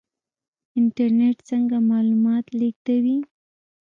انټرنیټ څنګه معلومات لیږدوي؟